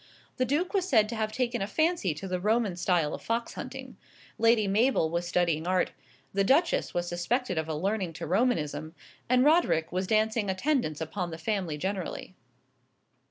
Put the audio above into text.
The Duke was said to have taken a fancy to the Roman style of fox hunting; Lady Mabel was studying art; the Duchess was suspected of a leaning to Romanism; and Roderick was dancing attendance upon the family generally.